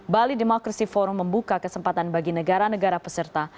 bali demokrasi forum membuka kesempatan bagi negara negara peserta